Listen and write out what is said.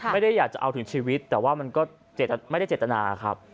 ไม่ได้อยากจะเอาถึงชีวิตแต่ว่ามันก็ไม่ได้เจตนาครับ